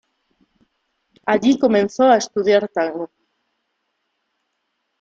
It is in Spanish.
Allí comenzó a estudiar tango.